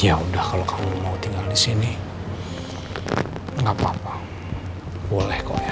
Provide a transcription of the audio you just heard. ya udah kalau kamu mau tinggal disini gak apa apa boleh kok ya